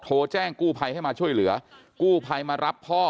โทรแจ้งกู้ภัยให้มาช่วยเหลือกู้ภัยมารับพ่อ